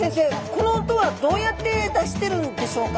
この音はどうやって出してるんでしょうか？